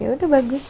ya udah bagus